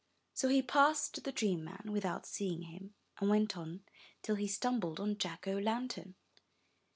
So he passed the Dream man without seeing him, and went on till he stumbled on Jack o Lantern.